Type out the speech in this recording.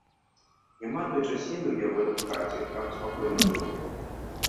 Няма той часіны ў яго хаце, каб спакойна было.